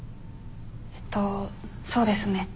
えっとそうですね